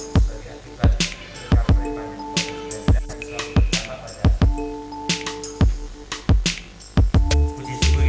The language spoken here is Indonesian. masih dalam rangka situasi